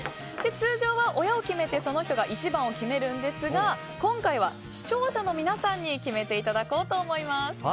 通常は親を決めてその人が１番を決めるんですが今回は視聴者の皆さんに決めていただこうと思います。